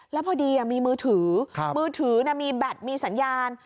แล้วพอดีมีมือถือมือถือมีแบตมีสัญญาณ